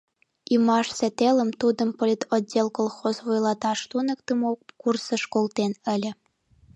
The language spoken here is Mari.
Ӱмашсе телым тудым политотдел колхоз вуйлаташ туныктымо курсыш колтен ыле.